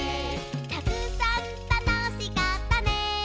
「たくさんたのしかったね」